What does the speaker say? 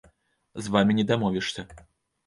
З вамі не дамовішся.